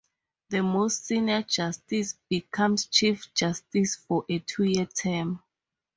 The most senior justice becomes Chief Justice for a two-year term.